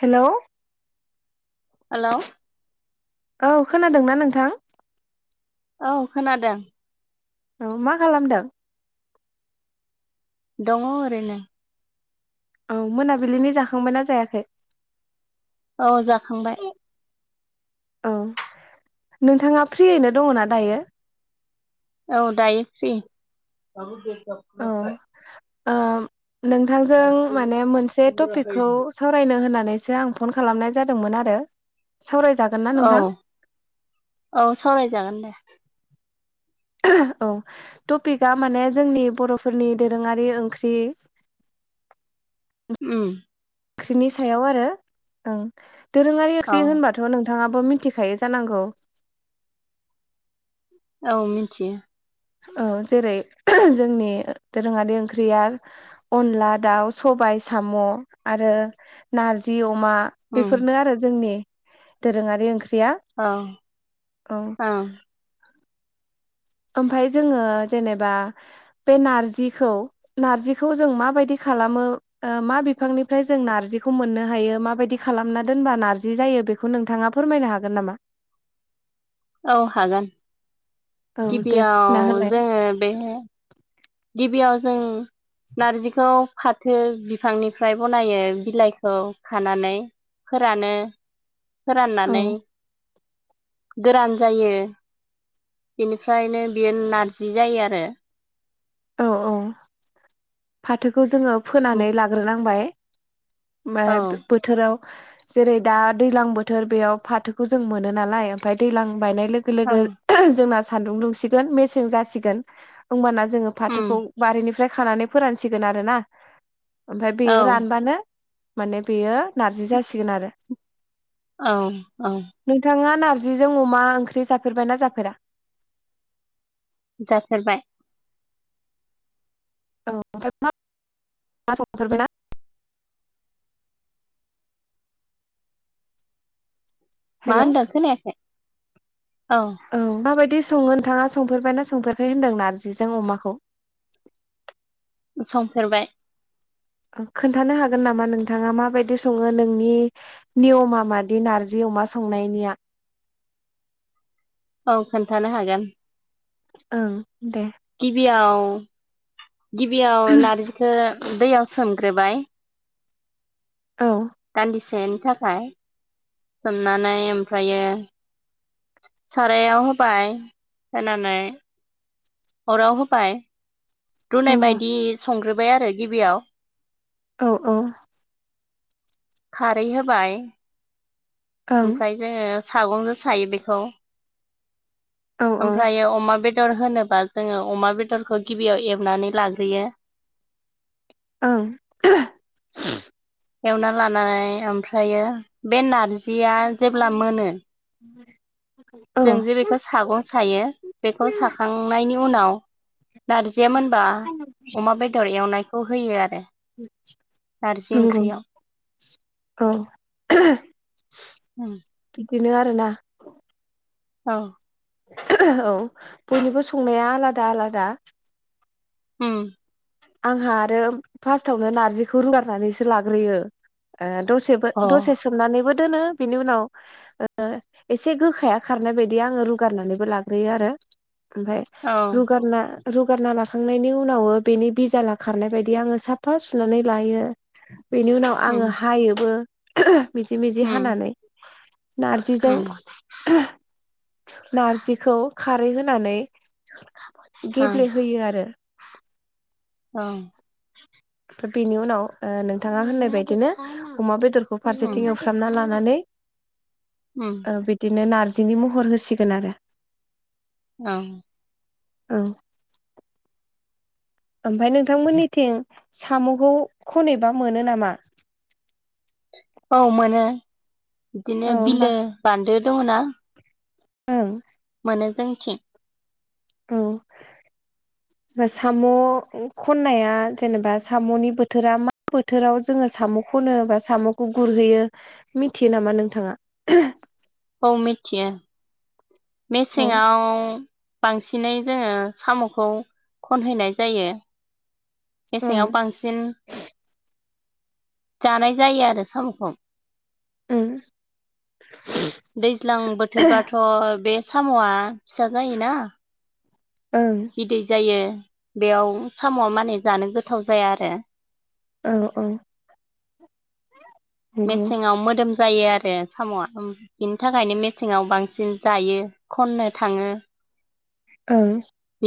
Hello hello औ खोनादोंना नोंथां? औ खोनादों। औ मा खालामदों? दङ ओरैनो। औ मोनाबिलिनि जाखांबायना जायाखै? औ जाखांबाय। औ नोंथाङा फ्रियैनो दङ ना दायो? औ दायो फ्रि। औ [unintelligible] ओ नोंथांजों माने मोनसे टपिकखौ सावरायनो होननानै नानैसो आं फन खालामनाय जादोंमोन आरो। सावरायजागोन ना औ नोंथां औ सावरायजागोन दे। औ टपिकआ माने जोंनि बर'फोरनि दोरोङारि ओंख्रि। उम ओंख्रिनि सायाव आरो ओं। दोरोङारि औ ओख्रि होनबाथ' नों नोंथाङाबो मिथिखायो जानांगौ। औ मिथियो। औ जेरै जोंनि दोरोङारि ओंख्रिया अनला दाउ सबाय साम' आरो नारजि अ अमा उम बेफोरनो आरो जोंनि दोरोङारि ओंख्रि औ औ ओमफ्राय जोङो जेनेबा बे नारजिखौ नारजिखौ जों माबायदि खालामो ओ मा बिफांनिफ्राय जों नारजिखौ मोननो हायो माबायदि खालामना दोनबा नारजि जायो बेखौ नोंथाङा फोरमायनो हागोन नामा? औ हागोन। औ दे फोरमायना गिबियाव होलाय जोङो बे गिबियाव जों नारजिखौ फाथो बिफांनिफ्राय बनायो बिलाइखौ खानानै फोरानो औ फोराननानै गोरान जायो। बेनिफ्रायनो बियो नारजि जायो आरो। औ औ फाथोखौ जोङो फोनानै लाग्रोनांबाय। औ [unintelligible] बोथोराव जेरै दा दैलां बोथोर बेयाव फाथोखौ जों मोनो नालाय ओमफ्राय दैलां बायनाय लोगो औ लोगो जोंना सान्दुं दुंसिगोन मेसें जासिगोन होमबाना जों उम फाथोखौ बारिनि ओमफ्राय खानानै फोरानसिगोन आरो ना? ओमफ्राय औ बेयो रानबानो माने बेयो नारजि जासिगोन आरो औ औ नोंथाङा नारजिजों अमा ओंख्रि जाफेरबायना जाफेरा? जाफेरबाय औ ओमफ्राय [unintelligible] फेरबाय ना? मा हेल' होनदों खोनायाखै? औ माबायदि? संङो नोंथाङा संफेरबायना संफेराखै होनदों नारजिजों अमाखौ? सफेरबाय खोन्थानो हागोन नामा नोंथाङा माबायदि सङो नोंनि नियमा मादि नारजि अमा संनायनिया औ खोन्थानो हागोन ओं दे गिबिआव गिबियाव नारजिखौ दैयाव सोम गोरबाय औ थाखाय सोमनानै ओमफ्रायो सारायाव होबाय होनानै अराव होबाय रुनाय नंगौ बायदि संग्रो बाय आरो गिबियाव औ औ खारै होबाय ओं ओमफ्राय जोङो सागंजों सायो बेखौ औ ओमफ्रायो अमा बेद बेदर होनोबा जोङो अमा बेदरखौ गिबियाव एवनानै लाग्रोयो ओं [unintelligible] एवना लानानै ओमफ्रायो बे नारजि जिया जेब्ला मोनो औ जों जे बेखौ सागं सायो बेखौ साखांनायनि उनाव नारजि या मोनबा अमा बेदर एवनाय खौ होयो आरो नारजि नंगौ ओंख्रियाव औ [unintelligible] उम बिनो आरो ना औ औ बयनिबो संनाया आलादा आलादा उम आंहा आरो फार्स्टावनो नारजिखौ रुगारनानैसो लाग्रोयो ओम दसे दसेबो अ दसे सोमनानैबो दोनो बिनि उनाव ओ एसे गोखाया खारनाय बायदि आङो रुगारनानैबो लाग्रोयो आरो। ओमफ्राय औ रुगारना रुगारना लाखांनायनि उनाव बेनि बिजाला खारनाय बायदि आङो साफा सुनानै लायो। बेनि उनाव उम आङो हायोबो [unintelligible] मिजि मिजि उम हानानै नारजिजों उम [unintelligible] नारजिखौ खारै होनानै ओं गेब्लेहोयो आरो। ओं बेनि उनाव ओ नोंथाङा होननाय बायदिनो अमा बेदरखौ उम फारसेथिं एवफ्रामना लानानै उम [inaudible] ओ बिदिनो नारजि बिनि महर होसिगोन आरो। ओं ओं ओमफ्राय नोंथांमोननिथिं साम'खौ खनैबा मोनो नामा? औा मोनो। बिदिनो औ होमबा बिलो बानदो दङ'ना? ओं [unintelligible] औ साम' खननाया जेनेबा साम'नि बोथोरा मा बोथोराव जोङो साम' खनो बा साम'खौ गुरहैयो मिथियो नामा नोंथाङा? औ मिथियो औ मेसेङाव। बांसिनै जोङो साम'खौ खनहैनाय जायो। ओं मेसेङाव बांसिन जानाय जायो आरो साम'खौ। उम दैज्लां बोथोरबाथ' बे साम'आ फिसा जायो ना। ओं बिदै जायो बेयाव साम'आ माने जानो गोथाव जाया आरो औ औ नोंगौ मेसेङाव मोदोम जायो आरो साम'आ बिनि थाखायनो मेसेंङाव बांसिन जायो खननो थाङो औ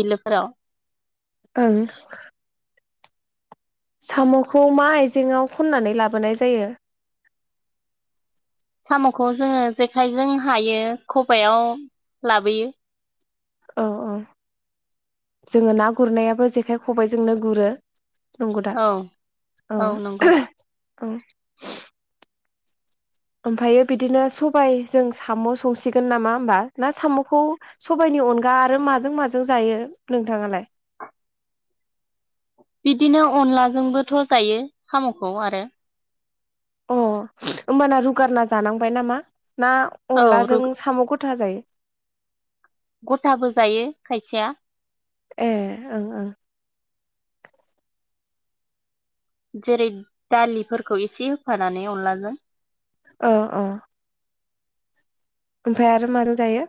[unintelligible] ओं साम'खौ मा आइजेङाव खन्नानै लाबोनाय जायो? साम'खौ जोङो जेखाइजों हायो खबायाव लाबोयो औ औ जोङो ना गुरनायाबो जेखाइ खबाइजोंनो गुरो नंगौ दा औ औ [unintelligible] औ [unintelligible] ओमफ्रायो बिदिनो सबाय जों साम' संसिगोन नामा होमबा ना साम'खौ सबायनि अनगा आरो माजों माजों जायो नोंथाङालाय? बिदिनो अनलाजोंबोथ' जायो साम'खौ आरो अ होमबाना रुगारना जानांबाय नामा? ना औ रु अनलाजों साम'खौ जायो गथाबो जायो खायसेया ए ओं ओं जेरै दालिफोरखौ एसे होफानानै अनलाजों अ अ ओमफ्राय आरो माजों जायो?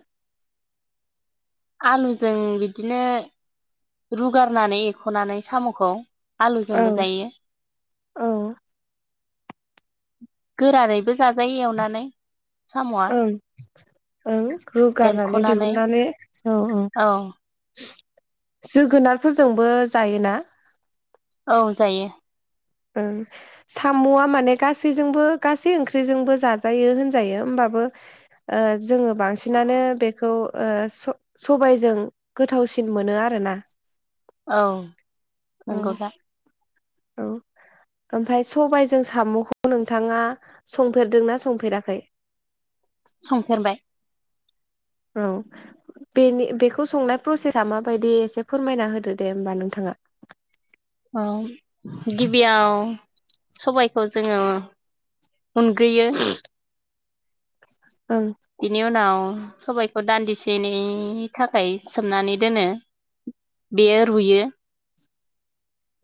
आलुजों बिदिनो रुगारनानै एख'नानै साम'खौ औ आलुजोंबो जायो। औ गोरानैैबो जाजायो एवनानै साम'आ ओं ओं रुगारनानै एरख'नानै दिहुननानै औ औ जोगोनारफोरजोंबो जायोना? औ जायो। ओम साम'आ माने गासैजोंबो गासै ओंख्रिजोंबो जाजायो होनजायो होमबाबो ओ जोङो बांसिनानो बेखौ ओ स- सबायजों गोथावसिन मोनो आरोना औ औ नंगौ दा औ ओमफ्राय सबायाइजों साम'खौ नोंथाङा संफेरदोंना संफेराखै? संफेरबाय। औ बेनि बेखौ संनाय प्रसेसा माबायदि एसे फोरमायना होदो दे होमबा नोंथाङा औ गिबियाव सबायखौ जोङो उनग्रोयो [inaudible] बिनि उनाव सबायखौ दान्दिसेनि थाखाय सोमनानै दोनो, बेयो रुयो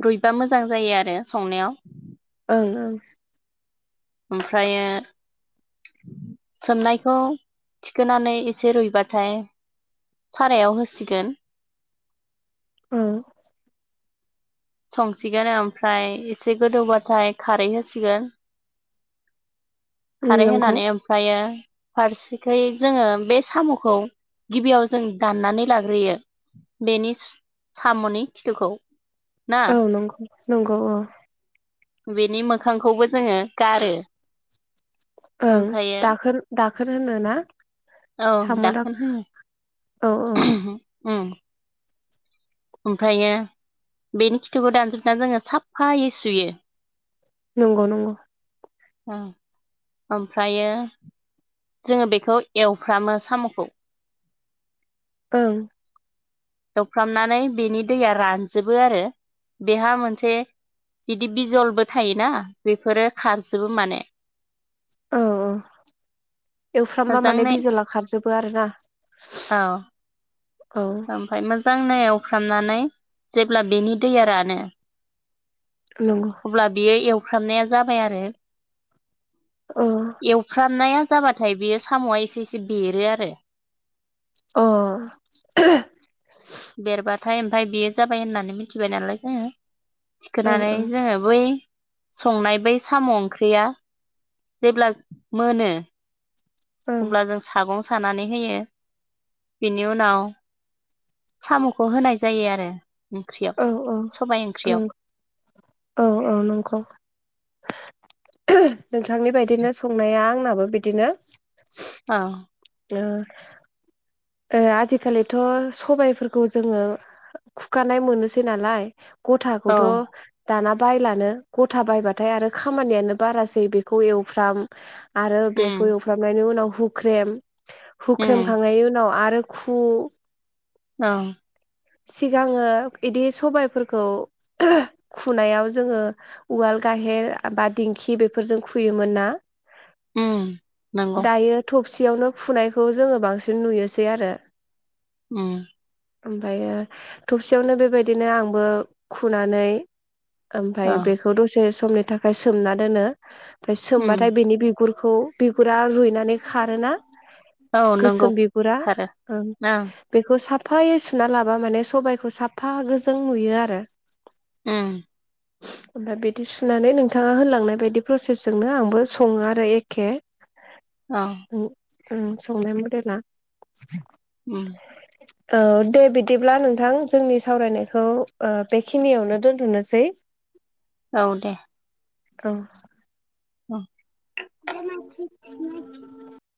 रुइबा मोजां जायो आरो संनायाव। ओं ओं। ओमफ्रायो सोमनायखौ थिखोनानै एसे रुइबाथाय सारायाव होसिगोन। औ संसिगोन ओमफ्राय एसे गोदौबाथाय खारै होसिगोन उम खारै नंगौ होनानै ओमफ्रायो फारसेखै जोङो बे साम'खौ गिबियाव जों दाननानै लाग्रोयो बेनि साम'नि खिथुखौ। ना औ नंगौ नंगौ औ बेनि मोखांखौबो जोङो गारो ओं ओमफ्रायो दाखोन दाखोन होनो ना औ साम' दाखोन दाख होनो औ औ। उम ओमफायो बेनि खिथुखौ दानजोबनानै जोङो साफायै सुयो। नंगौ नंगौ। ओं ओमफ्रायो जोङो बेखौ एवफ्रामो साम'खौ। ओं एवफ्रामनानै बेनि दैया रानजोबो आरो बेहा मोनसे बिदि बिजलबो थायोना बेफोरो खारजोबो माने। औ औ एवफ्रामबा माने मोजाङै बिजला खारजोबो आरो ना। औ ओमफाय मोज जाङै एवफ्रामनानै जेब्ला बेनि दैया रानो नंगौ अब्ला बियो एव फ्रामनाया जाबाय आरो। अ एवफ्रामनाया जाबाथाय बेयो साम'आ एसे एसे बेरो आरो। अ थाय ओमफाय बेयो जाबाय होननानै मिथिबाय नालाय जोङो ओं ओं ए बै संनाय बै साम' ओंख्रिया जेब्ला मोनो ओं अब्ला जों सागं सानानै होयो बिनि उनाव साम'खौ होनाय जायो आरो। ओंख्रियाव औ औ सबाय ओंख्रियाव नों औ औ नंगौ नोंथांनि बादिनो संनाया आंनाबो बिदिनो। आव ओ ओ आजिखालिथ' सबायफोरखौ जोङो खुखानाय मोनोसै नालाय औ गथाखौथ' दाना बायलानो ग'था बायबाथाय आरो खामानियानो बारासै बेखौ एवफ्राम आरो उम बेखौ एवफ्रामनायनि उनाव हुख्रेम उम हुख्रेमखांनायनि उनाव आरो खु ओं सिगांङो इदि सबायफोरखौ खुनायाव जोंङो उवाल गाहेर बा दिंखि बेफोरजों खुयोमोन ना उम नंगौ दायो थबसि यावनो खुनायखौ जोंङो बांसिन नुयोसै आरो उम ओमफ्रायो थबसियावनो बेबायदिनो आंबो खुनानै औ ओमफाय बेखौ दसे सो [unintelligible] थाखाय सोमना दोनो ओमफ्राय उम सोमबाथाय बेनि बिगुर खौ बिगुरा रुइनानै खारोना औ नंगौ गोसोम बिगुरा खारो ओम ओं बेखौ साब साफायै सुना लाबा माने सबाइखौ साफा गोजों नुयो आरो उम ओमफ्राय बिदि सुनानै नोंथांङा होनलांनाय बायदि प्रसेसजोंनो आंबो संङो आरो एखे औ उम संनाय मदेला उम औ दे बिदिब्ला नोंथां जोंनि सावरायनायखौ ओ बेखिनियावनो दोनथ'नोसै औ दे औ ओ [inaudible]